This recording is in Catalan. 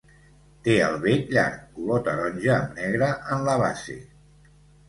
Té el bec llarg, color taronja amb negre en la base.